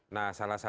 nah salah satunya